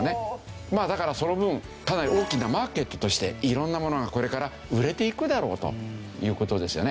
だからその分かなり大きなマーケットとしていろんなものがこれから売れていくだろうという事ですよね。